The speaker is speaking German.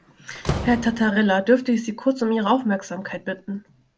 Herr Tatarella, dürfte ich Sie kurz um Ihre Aufmerksamkeit bitten?